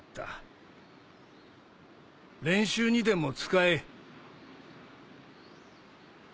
練習にでも使え